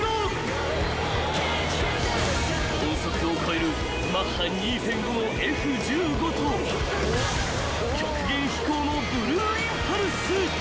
［音速を超えるマッハ２．５のＦ−１５と極限飛行のブルーインパルス］